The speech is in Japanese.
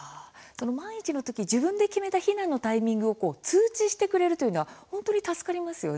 万一の時、自分で決めた避難のタイミングを通知してくれるのは助かりますよね。